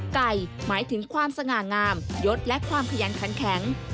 หมายถึงความสง่างามยศและความขยันขันแข็ง